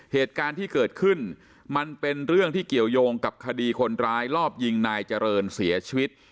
เหตุการณ์ที่เกิดขึ้นมันเป็นเรื่องที่เกี่ยวยงกับคดีคนร้ายรอบยิงนายเจริญเสียชีวิต